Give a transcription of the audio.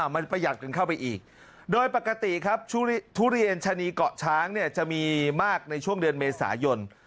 มันประหยัดกันเข้าไปอีกโดยปกติครับทุเรียนชะนีเกาะช้างเนี่ยจะมีมากในช่วงเดือนเมษายน